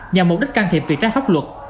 nhằm mục đích can thiệp việc trách pháp luật